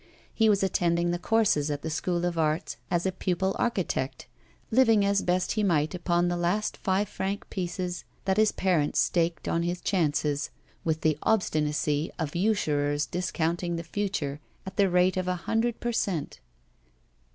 He was attending the courses at the School of Arts as a pupil architect, living as best he might upon the last five franc pieces that his parents staked on his chances, with the obstinacy of usurers discounting the future at the rate of a hundred per cent.